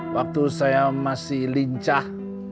waktu saya masih lincah